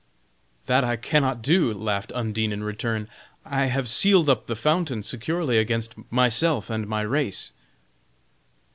"That I cannot do," laughed Undine in return; "I have sealed up the fountain securely against myself and my race."